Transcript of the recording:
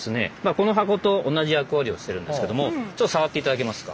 この箱と同じ役割をしてるんですけどもちょっと触って頂けますか。